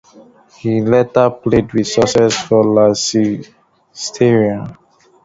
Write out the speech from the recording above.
He later played with success for Leicestershire.